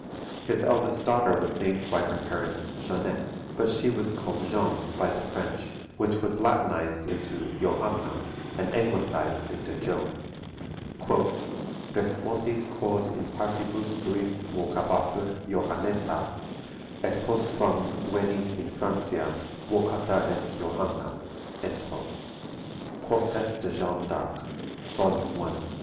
His eldest daughter was named by her parents Jeannette, but she was called Jeanne by the French, which was Latinised into Johanna, and anglicised into Joan. ["Respondit quod in partibus suis vocabatur Johanneta, et postquam venit in Franciam vocata est Johanna." PROCES DE JEANNE D'ARC, vol i. p.